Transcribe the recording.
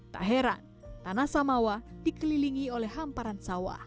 tak heran tanah samawa dikelilingi oleh hamparan sawah